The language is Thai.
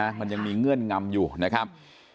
ใช่ครับผมอยากให้คนผิดได้รับความผิดครับ